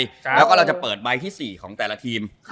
แล้วก็เราจะเปิดใบที่๔ของแต่ละทีม